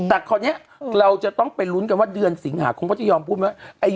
แต่คราวนี้เราจะต้องเป็นลุ้นกันว่าเดือนสิงหาคงก็จะยอมพูดว่ามั้ย